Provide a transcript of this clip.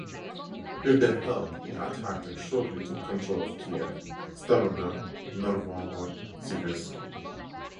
With their help he attacked and shortly took control of Kiev, Starodub, Novhorod-Siversky.